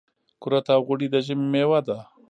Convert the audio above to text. کورت او غوړي د ژمي مېوه ده .